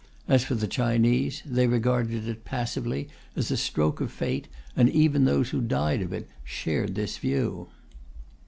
As for the Chinese, they regarded it passively as a stroke of fate, and even those who died of it shared this view.